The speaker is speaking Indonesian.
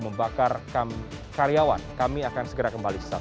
membakar karyawan kami akan segera kembali setelah ini